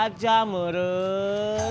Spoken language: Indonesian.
biasa aja meren